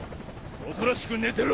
おとなしく寝てろ！